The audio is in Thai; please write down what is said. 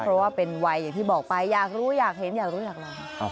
เพราะว่าเป็นวัยอย่างที่บอกไปอยากรู้อยากเห็นอยากรู้อยากลอง